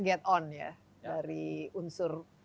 get on ya dari unsur